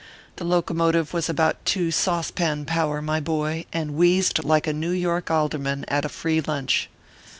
The locomotive was about two saucepan power, my boy, and wheezed like a New York Alderman at a free lunch.